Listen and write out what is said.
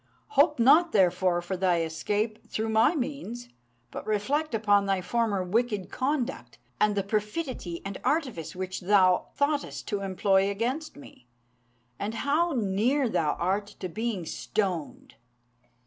Hope not, therefore, for thy escape through my means; but reflect upon thy former wicked conduct, and the perfidy and artifice which thou thoughtest to employ against me, and how near thou art to being stoned.